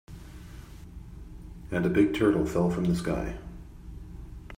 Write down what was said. And a big turtle fell from the sky.